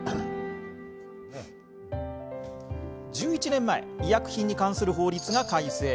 １１年前医薬品に関する法律が改正。